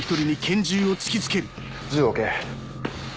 銃を置け。